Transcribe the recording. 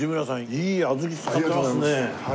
いい小豆使ってますねこれは。